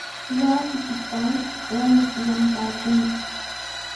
Wasiykitraw warmiykiwan taakunki.